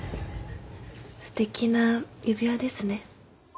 すてきな指輪ですね。